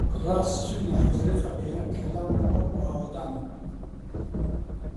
ڕاست چووینە حوجرەی فەقێیان، کە لامان وابوو ئاوەدانە